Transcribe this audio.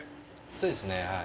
そうですねはい。